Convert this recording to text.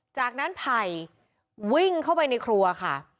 จากนั้นไผ่วิ่งเข้าไปในครัวค่ะ